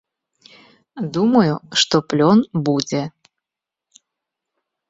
Думаю, што плён будзе.